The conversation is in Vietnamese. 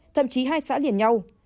thậm chí hai xã liền nhau